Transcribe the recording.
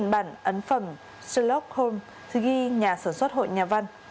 chín bản ấn phẩm sherlock holmes ghi nhà sản xuất hội nhà văn